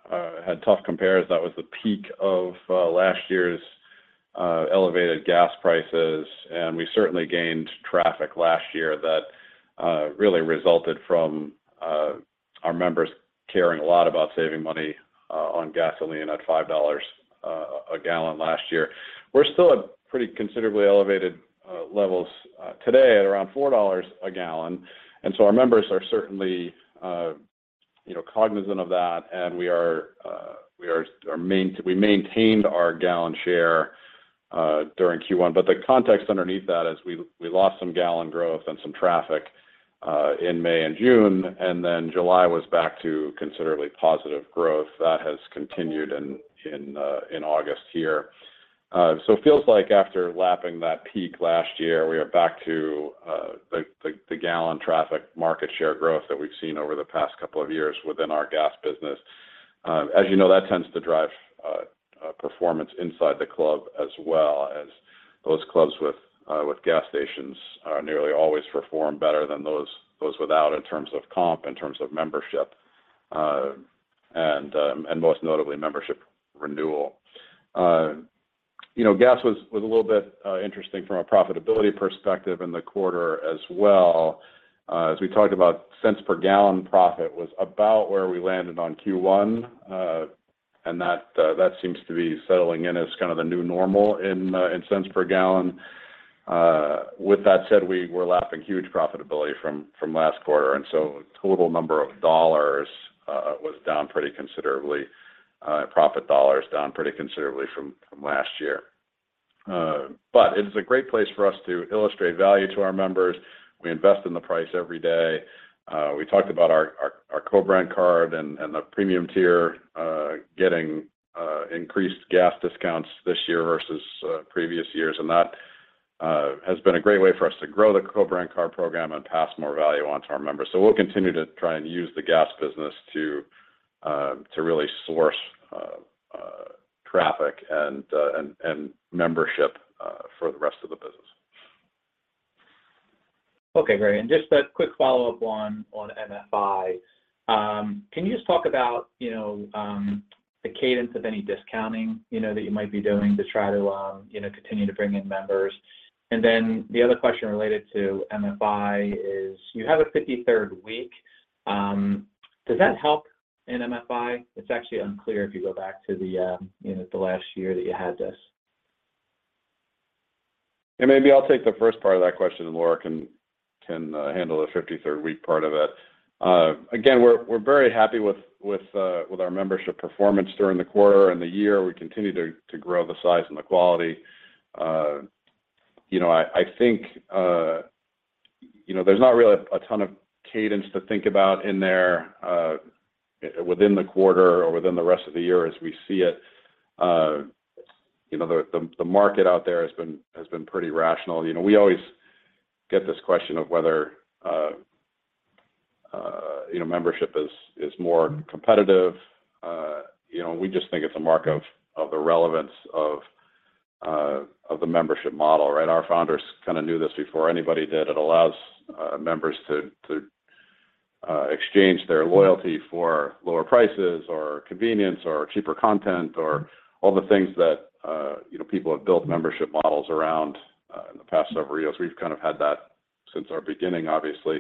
had tough compares. That was the peak of last year's elevated gas prices, and we certainly gained traffic last year that really resulted from our members caring a lot about saving money on gasoline at $5 a gallon last year. We're still at pretty considerably elevated levels today at around $4 a gallon, and so our members are certainly, you know, cognizant of that, and we are, we maintained our gallon share during Q1. The context underneath that is we, we lost some gallon growth and some traffic in May and June, and then July was back to considerably positive growth. That has continued in, in August here. It feels like after lapping that peak last year, we are back to the gallon traffic market share growth that we've seen over the past 2 years within our gas business. As you know, that tends to drive performance inside the club, as well as those clubs with gas stations, nearly always perform better than those, those without in terms of comp, in terms of membership, and most notably, membership renewal. You know, gas was a little bit interesting from a profitability perspective in the quarter as well. As we talked about, cents per gallon profit was about where we landed on Q1, and that seems to be settling in as kind of the new normal in cents per gallon. With that said, we're lapping huge profitability from last quarter, and so total number of dollars was down pretty considerably, profit dollars, down pretty considerably from last year. It is a great place for us to illustrate value to our members. We invest in the price every day. We talked about our co-brand card and the premium tier getting increased gas discounts this year versus previous years, and that has been a great way for us to grow the co-brand card program and pass more value on to our members. We'll continue to try and use the gas business to really source traffic and membership for the rest of the business. Okay, great. Just a quick follow-up on, on MFI. Can you just talk about, you know, the cadence of any discounting, you know, that you might be doing to try to, you know, continue to bring in members? Then the other question related to MFI is: You have a fifty-third week, does that help in MFI? It's actually unclear if you go back to the, you know, the last year that you had this. Maybe I'll take the first part of that question, and Laura can, can handle the fifty-third week part of it. Again, we're, we're very happy with, with our membership performance during the quarter and the year. We continue to, to grow the size and the quality. You know, I, I think, you know, there's not really a ton of cadence to think about in there, within the quarter or within the rest of the year as we see it. You know, the, the, the market out there has been, has been pretty rational. You know, we always get this question of whether, you know, membership is, is more competitive. You know, we just think it's a mark of, of the relevance of the membership model, right? Our founders kind of knew this before anybody did. It allows members to, to exchange their loyalty for lower prices, or convenience, or cheaper content, or all the things that, you know, people have built membership models around in the past several years. We've kind of had that since our beginning, obviously.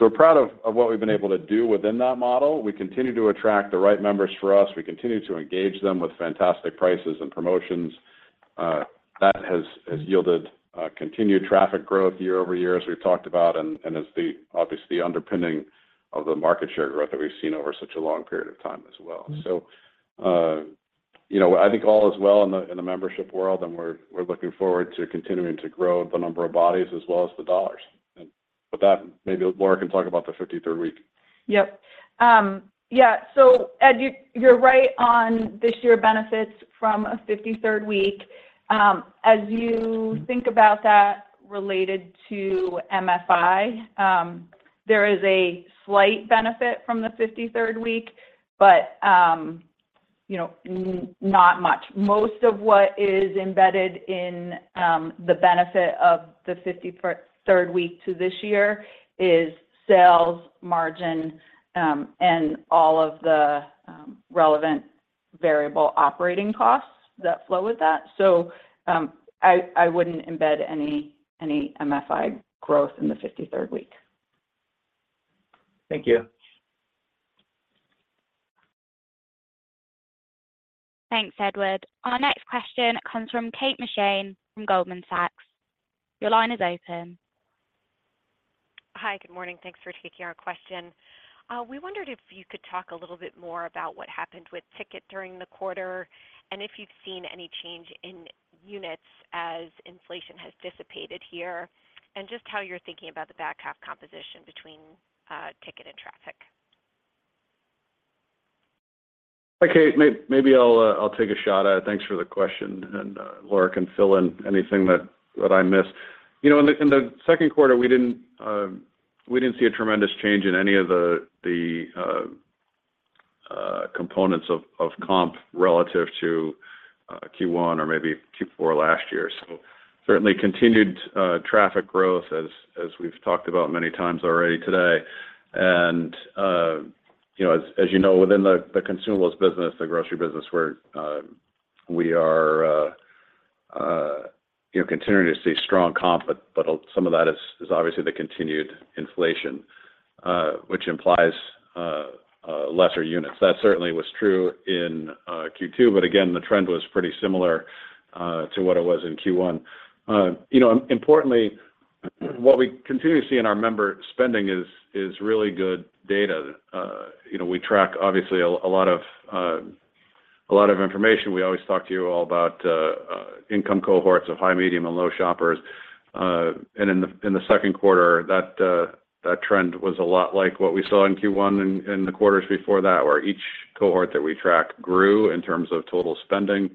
We're proud of what we've been able to do within that model. We continue to attract the right members for us. We continue to engage them with fantastic prices and promotions. That has yielded continued traffic growth year-over-year, as we've talked about, and is the obviously underpinning of the market share growth that we've seen over such a long period of time as well. You know, I think all is well in the, in the membership world, and we're, we're looking forward to continuing to grow the number of bodies as well as the dollars. With that, maybe Laura can talk about the fifty-third week. Yep. Yeah, you're right on this year benefits from a fifty-third week. As you think about that related to MFI, there is a slight benefit from the fifty-third week, but, you know, not much. Most of what is embedded in the benefit of the fifty-third week to this year is sales, margin, and all of the relevant variable operating costs that flow with that. I, I wouldn't embed any, any MFI growth in the fifty-third week. Thank you. Thanks, Edward. Our next question comes from Kate McShane from Goldman Sachs. Your line is open. Hi, good morning. Thanks for taking our question. We wondered if you could talk a little bit more about what happened with ticket during the quarter, and if you've seen any change in units as inflation has dissipated here, and just how you're thinking about the back half composition between ticket and traffic? Hi, Kate. Maybe I'll take a shot at it. Thanks for the question, Laura can fill in anything that I miss. You know, in the second quarter, we didn't see a tremendous change in any of the components of comp relative to Q1 or maybe Q4 last year. Certainly continued traffic growth as we've talked about many times already today. You know, as you know, within the consumables business, the grocery business, where we are, you know, continuing to see strong comp, but some of that is obviously the continued inflation, which implies lesser units. That certainly was true in Q2, but again, the trend was pretty similar to what it was in Q1. Importantly, what we continue to see in our member spending is, is really good data. You know, we track obviously a lot of information. We always talk to you all about income cohorts of high, medium, and low shoppers. And in the second quarter, that trend was a lot like what we saw in Q1 and the quarters before that, where each cohort that we track grew in terms of total spending,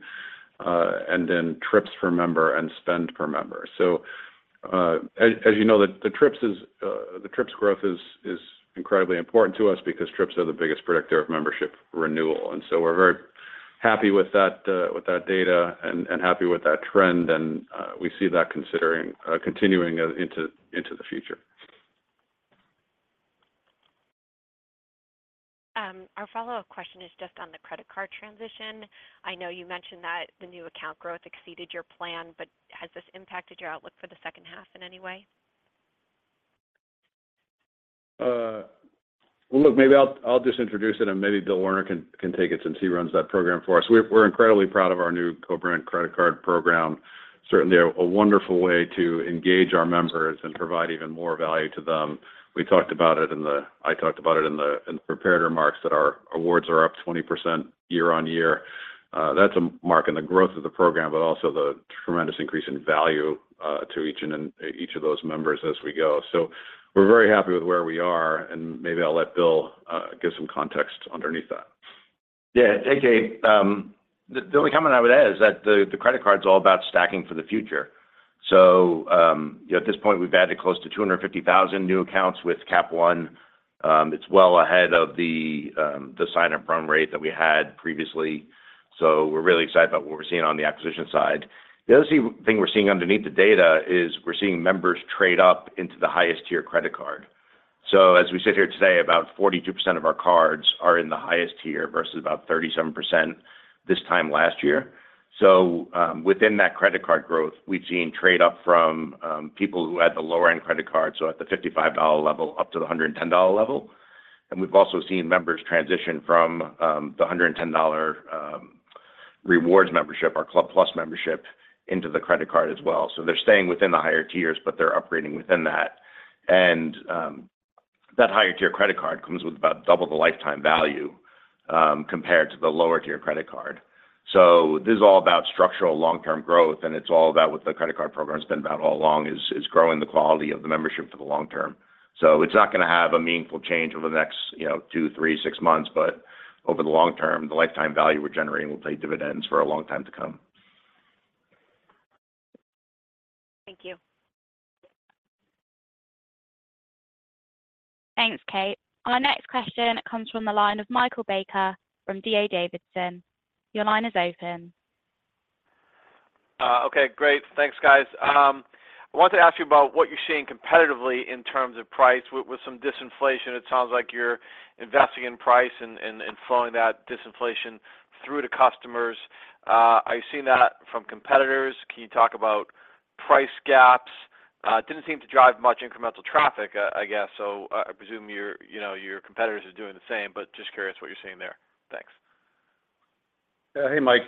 and then trips per member and spend per member. So, as you know, the trips growth is incredibly important to us because trips are the biggest predictor of membership renewal, and so we're very happy with that, with that data and happy with that trend We see that continuing, into, into the future. Our follow-up question is just on the credit card transition. I know you mentioned that the new account growth exceeded your plan, but has this impacted your outlook for the second half in any way? Well, look, maybe I'll, I'll just introduce it, and maybe Bill Werner can, can take it since he runs that program for us. We're, we're incredibly proud of our new BJ's One Mastercard program. Certainly, a wonderful way to engage our members and provide even more value to them. We talked about it in the, I talked about it in the, in the prepared remarks, that our awards are up 20% year on year. That's a mark in the growth of the program, but also the tremendous increase in value, to each and then, each of those members as we go. We're very happy with where we are, and maybe I'll let Bill give some context underneath that. Yeah, thanks, Kate. The, the only comment I would add is that the, the credit card is all about stacking for the future. You know, at this point, we've added close to 250,000 new accounts with Capital One. It's well ahead of the, the sign-up run rate that we had previously, so we're really excited about what we're seeing on the acquisition side. The other thing we're seeing underneath the data is we're seeing members trade up into the highest tier credit card. As we sit here today, about 42% of our cards are in the highest tier versus about 37% this time last year. Within that credit card growth, we've seen trade up from people who had the lower-end credit card, so at the $55 level, up to the $110 level. We've also seen members transition from the $110 rewards membership, our Club+ Card membership, into the credit card as well. They're staying within the higher tiers, but they're upgrading within that. That higher-tier credit card comes with about double the lifetime value compared to the lower-tier credit card. This is all about structural long-term growth, and it's all about what the credit card program has been about all along, is, is growing the quality of the membership for the long term. It's not gonna have a meaningful change over the next, you know, 2, 3, 6 months, but over the long term, the lifetime value we're generating will pay dividends for a long time to come. Thank you. Thanks, Kate. Our next question comes from the line of Michael Baker from D.A. Davidson. Your line is open. Okay, great. Thanks, guys. I wanted to ask you about what you're seeing competitively in terms of price. With, with some disinflation, it sounds like you're investing in price and, and, and flowing that disinflation through to customers. I've seen that from competitors. Can you talk about price gaps? Didn't seem to drive much incremental traffic, I guess, so I, I presume your, you know, your competitors are doing the same, but just curious what you're seeing there. Thanks. Yeah. Hey, Mike.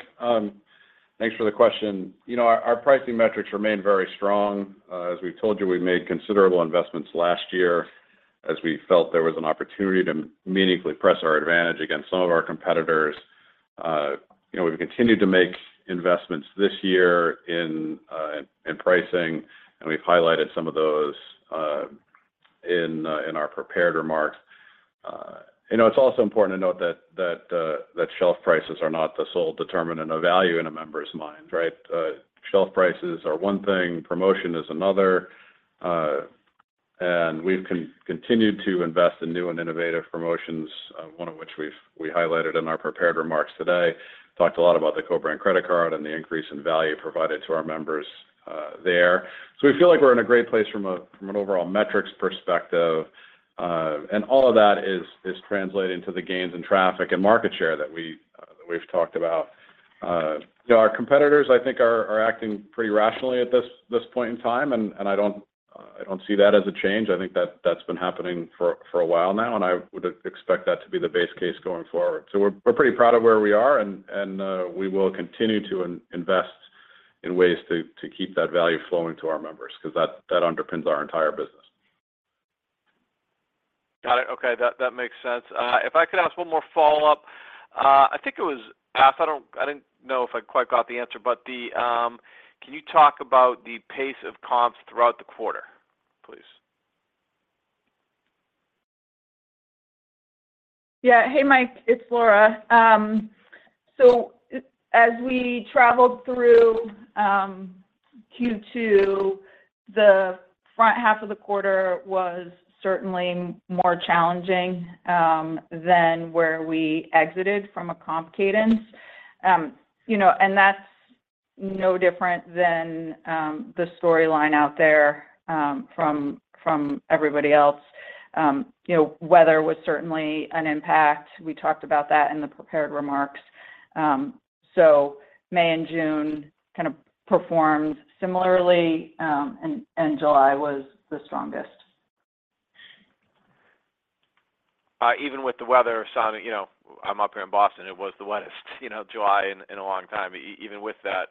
Thanks for the question. You know, our, our pricing metrics remain very strong. As we've told you, we made considerable investments last year as we felt there was an opportunity to meaningfully press our advantage against some of our competitors. You know, we've continued to make investments this year in pricing, and we've highlighted some of those in our prepared remarks. You know, it's also important to note that, that shelf prices are not the sole determinant of value in a member's mind, right? Shelf prices are one thing, promotion is another, and we've continued to invest in new and innovative promotions, one of which we highlighted in our prepared remarks today. Talked a lot about the BJ's One Mastercard and the increase in value provided to our members there. We feel like we're in a great place from a, from an overall metrics perspective, and all of that is, is translating to the gains in traffic and market share that we, that we've talked about. You know, our competitors, I think, are, are acting pretty rationally at this, this point in time, and, and I don't, I don't see that as a change. I think that that's been happening for, for a while now, and I would expect that to be the base case going forward. We're, we're pretty proud of where we are, and, and, we will continue to invest in ways to, to keep that value flowing to our members, because that, that underpins our entire business. Got it. Okay, that, that makes sense. If I could ask one more follow-up? I think it was Beth, I didn't know if I quite got the answer, but the, can you talk about the pace of comps throughout the quarter, please? Yeah. Hey, Mike, it's Laura. As we traveled through Q2, the front half of the quarter was certainly more challenging than where we exited from a comp cadence. You know, that's no different than the storyline out there from everybody else. You know, weather was certainly an impact. We talked about that in the prepared remarks. May and June kind of performed similarly, and July was the strongest. Even with the weather, so, I mean, you know, I'm up here in Boston, it was the wettest, you know, July in, in a long time. Even with that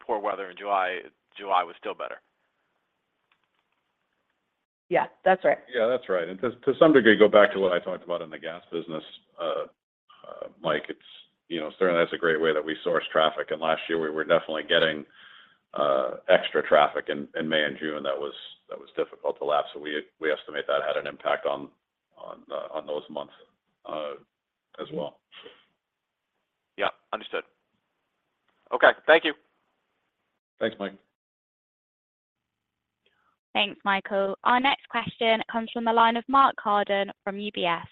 poor weather in July, July was still better. Yeah, that's right. Yeah, that's right. To, to some degree, go back to what I talked about in the gas business, Mike, it's, you know, certainly that's a great way that we source traffic, and last year we were definitely getting extra traffic in, in May and June that was, that was difficult to lap. We, we estimate that had an impact on, on those months, as well. Yeah, understood. Okay. Thank you. Thanks, Mike. Thanks, Michael. Our next question comes from the line of Mark Carden from UBS.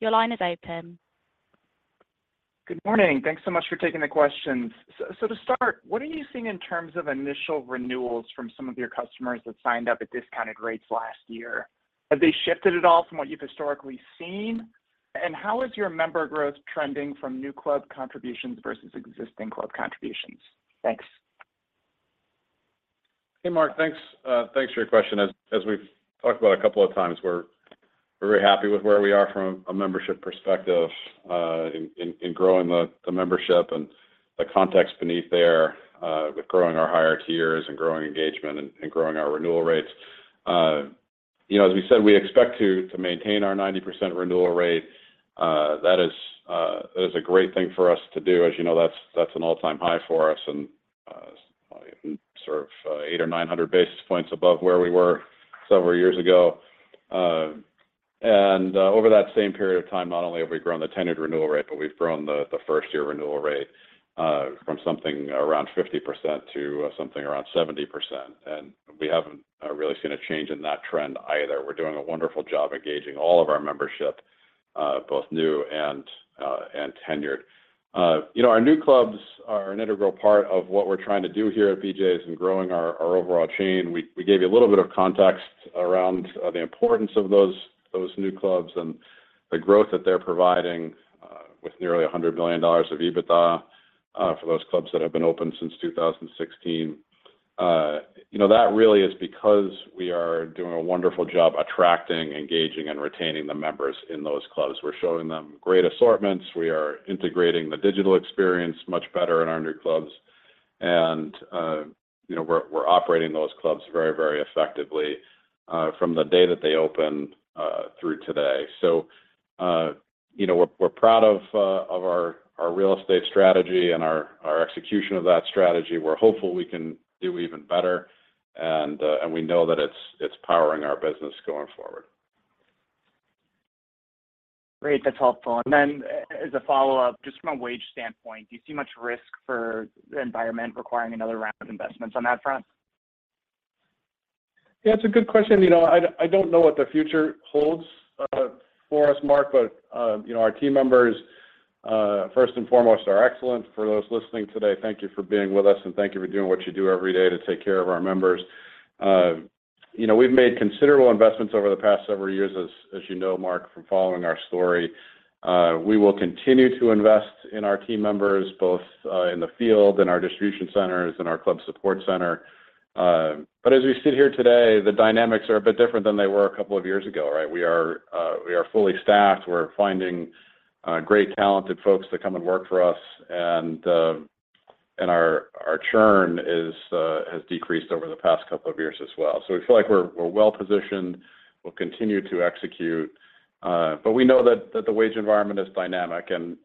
Your line is open. Good morning. Thanks so much for taking the questions. To start, what are you seeing in terms of initial renewals from some of your customers that signed up at discounted rates last year? Have they shifted at all from what you've historically seen? How is your member growth trending from new club contributions versus existing club contributions? Thanks. Hey, Mark. Thanks, thanks for your question. As we've talked about a couple of times, we're very happy with where we are from a membership perspective, in growing the membership and the context beneath there, with growing our higher tiers and growing engagement and growing our renewal rates. You know, as we said, we expect to maintain our 90% renewal rate. That is a great thing for us to do. As you know, that's an all-time high for us and sort of 800 or 900 basis points above where we were several years ago. Over that same period of time, not only have we grown the tenured renewal rate, but we've grown the, the first-year renewal rate, from something around 50% to something around 70%. We haven't really seen a change in that trend either. We're doing a wonderful job engaging all of our membership, both new and tenured. You know, our new clubs are an integral part of what we're trying to do here at BJ's in growing our, our overall chain. We, we gave you a little bit of context around the importance of those, those new clubs and the growth that they're providing, with nearly $100 million of EBITDA for those clubs that have been open since 2016. You know, that really is because we are doing a wonderful job attracting, engaging, and retaining the members in those clubs. We're showing them great assortments. We are integrating the digital experience much better in our new clubs. You know, we're, we're operating those clubs very, very effectively, from the day that they opened, through today. You know, we're, we're proud of, of our, our real estate strategy and our, our execution of that strategy. We're hopeful we can do even better, and, and we know that it's, it's powering our business going forward. Great. That's helpful. Then as a follow-up, just from a wage standpoint, do you see much risk for the environment requiring another round of investments on that front? Yeah, it's a good question. You know, I, I don't know what the future holds for us, Mark, but you know, our team members, first and foremost, are excellent. For those listening today, thank you for being with us, and thank you for doing what you do every day to take care of our members. You know, we've made considerable investments over the past several years, as, as you know, Mark, from following our story. We will continue to invest in our team members, both in the field, in our distribution centers, in our Club Support Center. But as we sit here today, the dynamics are a bit different than they were a couple of years ago, right? We are, we are fully staffed. We're finding great, talented folks to come and work for us, and our, our churn is has decreased over the past couple of years as well. We feel like we're, we're well positioned. We'll continue to execute, but we know that, that the wage environment is dynamic and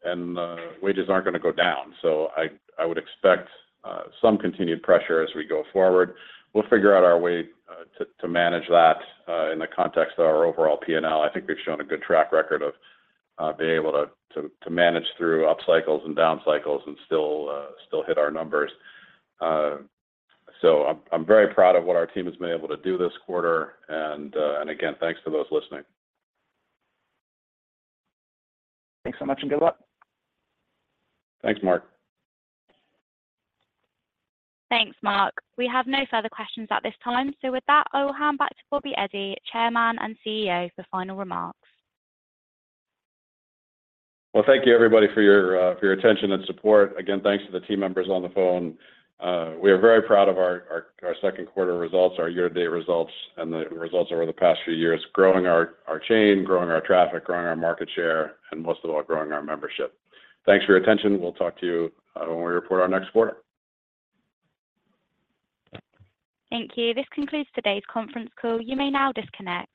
wages aren't gonna go down. I, I would expect some continued pressure as we go forward. We'll figure out our way to, to manage that in the context of our overall P&L. I think we've shown a good track record of being able to, to, to manage through up cycles and down cycles and still still hit our numbers. I'm, I'm very proud of what our team has been able to do this quarter, and again, thanks to those listening. Thanks so much, and good luck. Thanks, Mark. Thanks, Mark. We have no further questions at this time. With that, I will hand back to Bob Eddy, Chairman and CEO, for final remarks. Well, thank you, everybody, for your, for your attention and support. Again, thanks to the team members on the phone. We are very proud of our, our, our second quarter results, our year-to-date results, and the results over the past few years, growing our, our chain, growing our traffic, growing our market share, and most of all, growing our membership. Thanks for your attention. We'll talk to you, when we report our next quarter. Thank you. This concludes today's conference call. You may now disconnect.